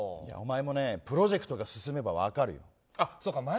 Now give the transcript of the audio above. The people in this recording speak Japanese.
いや、お前もねプロジェクトが進めばわかるよ。